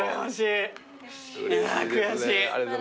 いや悔しい。